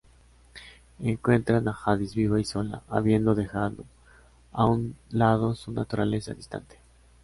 Encuentran a Jadis viva y sola, habiendo dejado a un lado su naturaleza distante.